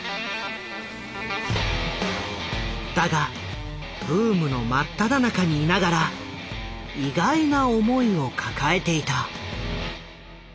だがブームの真っただ中にいながら意外な思いを抱えていた。